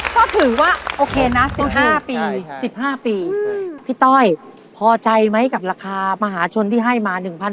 ก็ถือว่าโอเคนะ๑๕ปี๑๕ปีพี่ต้อยพอใจไหมกับราคามหาชนที่ให้มา๑๐๐